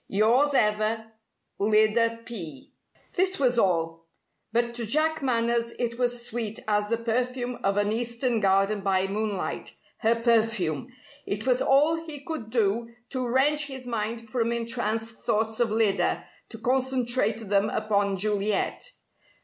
Yours ever Lyda P." This was all. But to Jack Manners it was sweet as the perfume of an Eastern garden by moonlight her perfume! It was all he could do to wrench his mind from entranced thoughts of Lyda, to concentrate them upon Juliet.